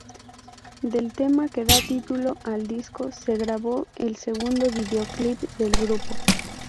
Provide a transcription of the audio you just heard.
Del tema que da título al disco se grabó el segundo videoclip del grupo.